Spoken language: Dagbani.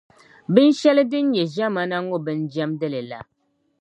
binshɛli din nyɛ ʒiɛmani ŋɔ bin’ jɛmdili la.